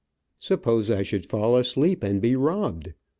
Suppose I should fall asleep, and be robbed?